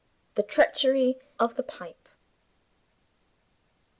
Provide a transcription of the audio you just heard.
THE TREACHERY OF THE PIPE.